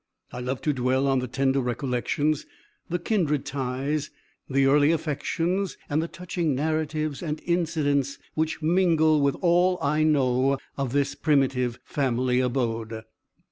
I love to dwell on the tender recollections, the kindred ties, the early affections, and the touching narratives and incidents which mingle with all I know of this primitive family abode.'